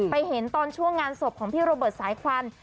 เห็นตอนช่วงงานศพของพี่โรเบิร์ตสายควัน